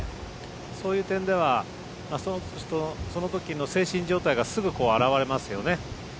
そういう点ではその時の精神状態がすぐ現れますよね。